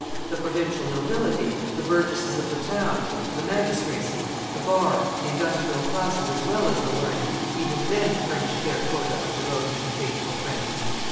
The provincial nobility, the burgesses of the towns, the magistracy, the bar, the industrial classes as well as the learned, even then furnished their quota of devoted and faithful friends.